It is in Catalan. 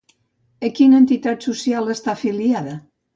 A quina entitat social està afiliada?